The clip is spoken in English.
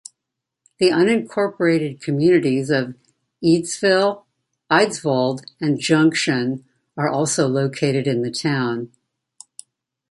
The unincorporated communities of Eadsville, Eidsvold, and Junction are also located in the town.